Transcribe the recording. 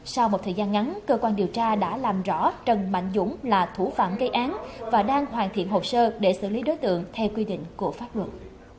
sau một thời gian ngắn cơ quan điều tra đã làm rõ trần mạnh dũng là thủ phạm gây án và đang hoàn thiện hồ sơ để xử lý đối tượng theo quy định của pháp luật